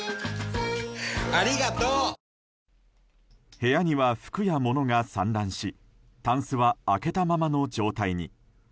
部屋には服や物が散乱したんすは開けたままの状態に。